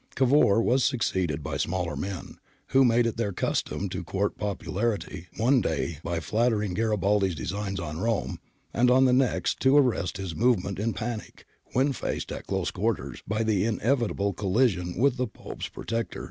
Cavour was succeeded by smaller men, who made it their custom to court popularity one day by flattering Garibaldi's designs on Rome, and on the next to arrest his movement in panic, when faced at close quarters by the inevitable collision with the Pope's protector.